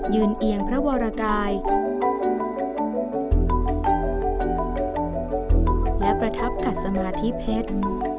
เอียงพระวรกายและประทับกัดสมาธิเพชร